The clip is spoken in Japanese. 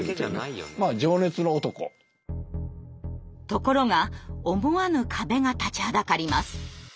ところが思わぬ壁が立ちはだかります。